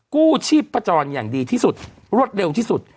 กู้ชีพพระจรอย่างดีที่สุดรวดเร็วที่สุด